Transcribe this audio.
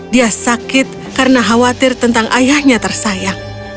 dia sakit karena khawatir tentang ayahnya tersayang